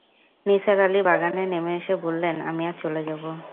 নিসার আলি বাগানে নেমে এসে বললেন, আমি আজ চলে যাব।